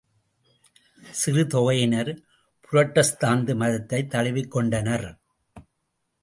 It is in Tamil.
சிறு தொகையினர் புரட்டஸ்தாந்து மதத்தைத் தழுவிக் கொண்டனர்.